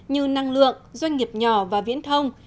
như năng lượng doanh nghiệp nhỏ và viễn thông